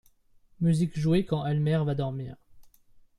Musique jouée quand Elmer va dormir.